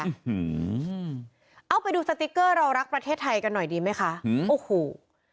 เอาไปดูสติ๊กเกอร์เรารักประเทศไทยกันหน่อยดีไหมคะอืมโอ้โห